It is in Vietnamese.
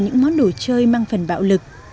những món đồ chơi mang phần bạo lực